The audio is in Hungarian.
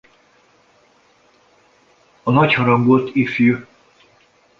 A nagyharangot Ifj.